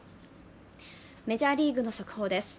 メジャーリーグの速報です。